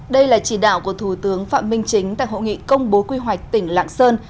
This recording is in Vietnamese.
đây là chỉ đạo của thủ tướng phạm minh chính tại hội nghị công bố quy hoạch tỉnh lạng sơn